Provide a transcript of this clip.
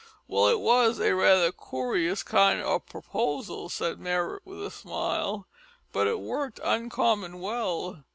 "Well, it was a raither coorious kind o' proposal," said Marrot with a smile, "but it worked uncommon well.